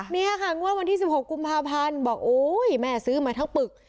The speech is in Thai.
นี่ค่ะงวดวันที่๑๖กุมภาพันธ์บอกโอ๊ยแม่ซื้อมาทั้งปึก